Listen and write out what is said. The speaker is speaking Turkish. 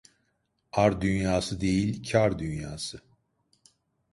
Ar dünyası değil, kâr dünyası.